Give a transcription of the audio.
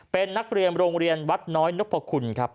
เป็นนักเรียนโรงเรียนวัดน้อยนพคุณครับ